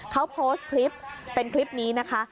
เขาโพสต์คลิปเป็นคลิปนี้นะคะ